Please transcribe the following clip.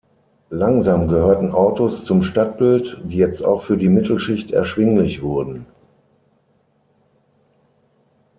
Langsam gehörten Autos zum Stadtbild, die jetzt auch für die Mittelschicht erschwinglich wurden.